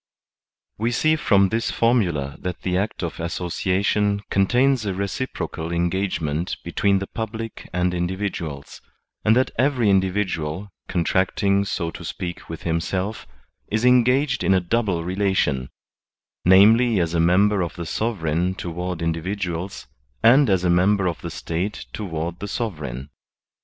Wb sex from this formula that the act of association contains a reciprocal engagement between the public and individuals, and that every individual, contracting so to speak with himself, is engaged in a double relation, vis, as a member of the sovereign toward individuals, and as a member of the State toward the sovereign.